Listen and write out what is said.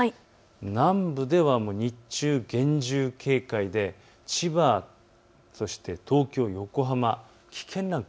南部では日中、厳重警戒で千葉そして東京、横浜、危険ランク。